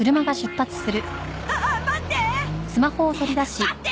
ああ待って！